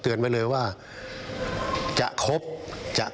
ขอเตือนไว้นะจะค้าหรือจะสมาคมกับคนพวกนี้ขอให้คิดให้ดี